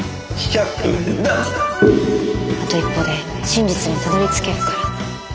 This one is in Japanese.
あと一歩で真実にたどりつけるから。